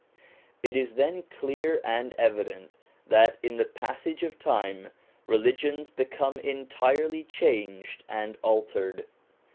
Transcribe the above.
It is then clear and evident that in the passage of time religions become entirely changed and altered.